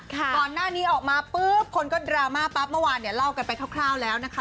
ก่อนหน้านี้ออกมาปุ๊บคนก็ดราม่าปั๊บเมื่อวานเนี่ยเล่ากันไปคร่าวแล้วนะคะ